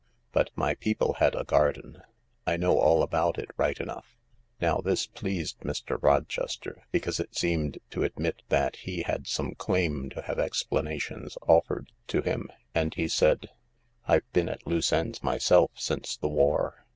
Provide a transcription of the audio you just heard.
But ny people had a garden. I know all about it right enough." Now this pleased Mr. Rochester, because it seemed to admit that he had some claim to have explanations offered to him, and he said :" I've been at loose ends myself since the war."